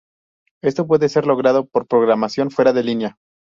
Esto puede ser logrado por programación fuera de línea.